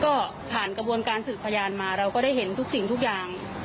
ก็ผ่านกระบวนการสืบพยานมาเราก็ได้เห็นทุกสิ่งทุกอย่าง